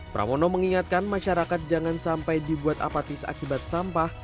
pramono mengingatkan masyarakat jangan sampai dibuat apatis akibat sampah